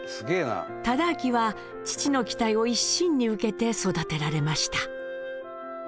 忠亮は父の期待を一身に受けて育てられました。